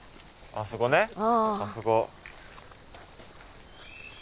あそこねあそこ。